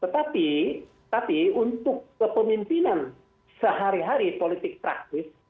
tetapi tapi untuk kepemimpinan sehari hari politik praktis